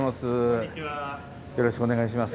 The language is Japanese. よろしくお願いします